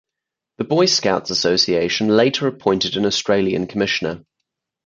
The Boy Scouts Association later appointed an Australian Commissioner.